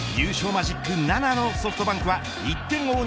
マジック７のソフトバンクは１点の追う